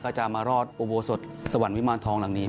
จะมารอดอุโบสถสวรรค์วิมารทองหลังนี้